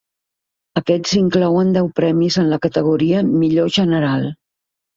Aquests inclouen deu premis en la categoria "Millor general".